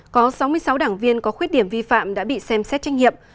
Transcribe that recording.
có sáu mươi sáu đảng viên có khuyết điểm vi phạm đã bị xem xét tranh hiệp